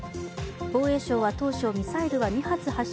防衛省は当初、ミサイルは２発発射